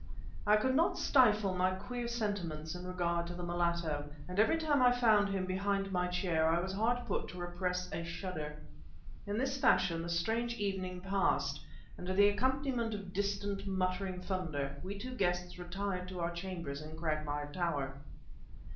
I could not stifle my queer sentiments in regard to the mulatto, and every time I found him behind my chair I was hard put to repress a shudder. In this fashion the strange evening passed; and to the accompaniment of distant, muttering thunder, we two guests retired to our chambers in Cragmire Tower.